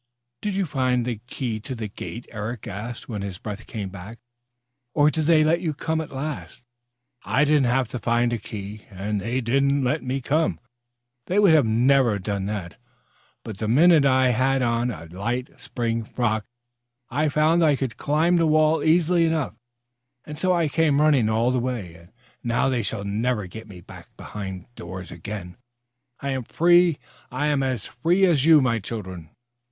"Did you find the key to that gate?" Eric asked when his breath came back, "Or did they let you come at last." "I didn't have to find the key, and they didn't let me come. They would never have done that. But the minute I had on a light spring frock I found I could climb the wall easily enough, and so I came running all the way. And now they shall never get me back behind doors again. I am free! I am as free as you, my children!"